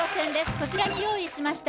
こちらに用意しました